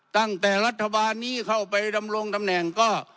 ตั้งแต่รัฐบาลนี้เข้าไปดำรงตำแหน่งก็